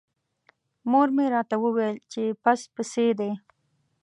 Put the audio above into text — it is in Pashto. مور مې راته وویل چې پس پسي دی.